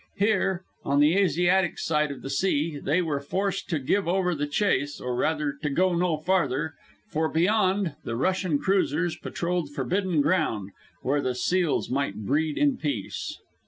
Here, on the Asiatic side of the sea, they were forced to give over the chase, or rather, to go no farther; for beyond, the Russian cruisers patrolled forbidden ground, where the seals might breed in peace.